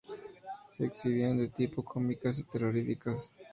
Se exhibían de tipo cómicas y terroríficas.